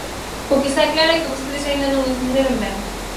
O que está claro é que vostedes aínda non o entenderon ben.